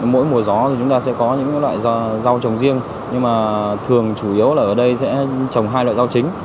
mỗi mùa gió thì chúng ta sẽ có những loại rau trồng riêng nhưng mà thường chủ yếu là ở đây sẽ trồng hai loại rau chính